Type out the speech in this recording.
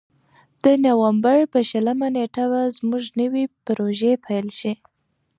د نوامبر په شلمه نېټه به زموږ نوې پروژې پیل شي.